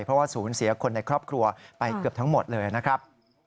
เพราะว่าศูนย์เสียคนในครอบครัวไปเกือบทั้งหมดเลยนะครับ